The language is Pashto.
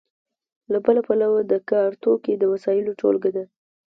له بله پلوه د کار توکي د وسایلو ټولګه ده.